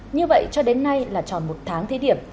như vậy cho đến nay là tròn một tháng thí điểm